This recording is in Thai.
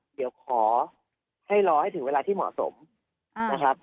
เดี๋ยวขอให้รอให้ถึงเวลาที่เหมาะสมนะครับ